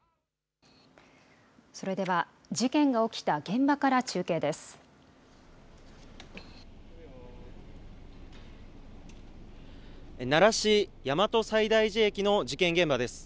それでは、事件が起きた現場から中継です。